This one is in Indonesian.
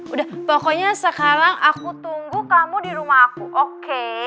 udah pokoknya sekarang aku tunggu kamu di rumah aku oke